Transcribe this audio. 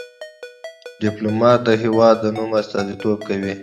ډيپلومات د هېواد د نوم استازیتوب کوي.